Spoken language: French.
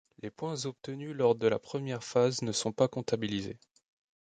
Les points obtenus lors de la première phase ne sont pas comptabilisés.